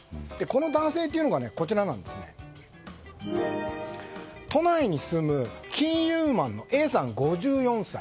その男性というのが都内に住む金融マンのＡさん５４歳。